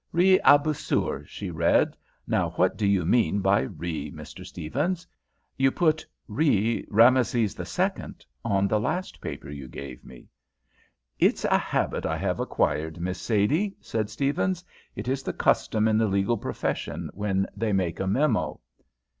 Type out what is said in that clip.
"Re Abousir," she read; "now, what do you mean by 're,' Mr. Stephens? You put 're Rameses the Second' on the last paper you gave me." "It is a habit I have acquired, Miss Sadie," said Stephens; "it is the custom in the legal profession when they make a memo."